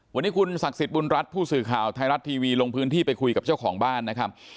วันนี้คุณศักดิ์สิทธิ์บุญรัฐผู้สื่อข่าวไทยรัฐทีวีลงพื้นที่ไปคุยกับเจ้าของบ้านนะครับ